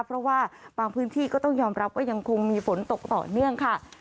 เพราะว่าบางพื้นที่ก็ต้องยอมรับว่ายังคงมีฝนตกต่อเนื่องค่ะ